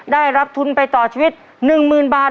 ได้รับทุนไปต่อชีวิต๑๐๐๐บาท